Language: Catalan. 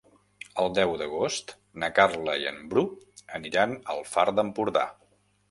El deu d'agost na Carla i en Bru aniran al Far d'Empordà.